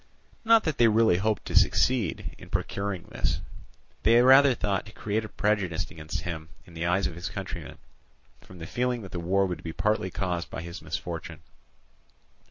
Not that they really hoped to succeed in procuring this; they rather thought to create a prejudice against him in the eyes of his countrymen from the feeling that the war would be partly caused by his misfortune.